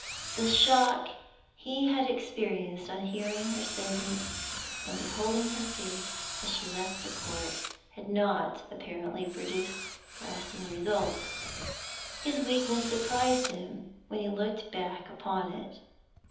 The shock he had experienced on hearing her sentence and beholding her face as she left the court had not, apparently, produced lasting results; his weakness surprised him when he looked back upon it.